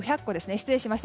失礼しました。